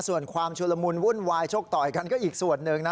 ส่วนความชุลมุนวุ่นวายชกต่อยกันก็อีกส่วนหนึ่งนะ